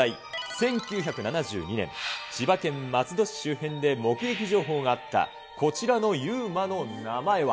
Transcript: １９７２年、千葉県松戸市周辺で目撃情報があった、こちらのＵＭＡの名前は。